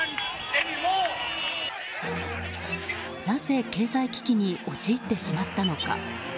なぜ経済危機に陥ってしまったのか。